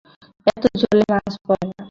এত জলে মাছ পড়ে না।